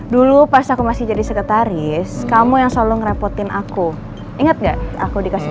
dulu pas aku masih jadi sekretaris kamu yang selalu ngerepotin aku inget nggak aku dikasih